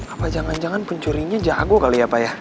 apa jangan jangan pencurinya jago kali ya pak ya